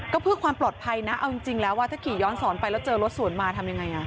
ก็เพื่อความปลอดภัยนะเอาจริงแล้วถ้าขี่ย้อนสอนไปแล้วเจอรถสวนมาทำยังไง